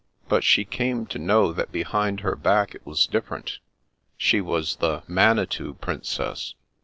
But she came to know that behind her back it was different; she was the * Manitou Princess.'